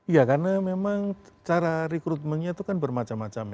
ya karena memang cara rekrutmennya itu kan bermacam macam ya